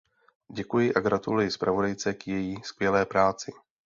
Děkuji a gratuluji zpravodajce k její skvělé práci.